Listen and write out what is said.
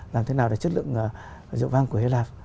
làm thế nào để chất lượng rượu vang của hy lạp